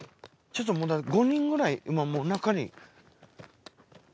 ちょっと５人くらい今もう中に。